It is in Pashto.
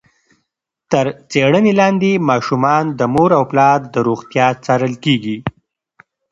تر څېړنې لاندې ماشومان د مور او پلار د روغتیا څارل کېږي.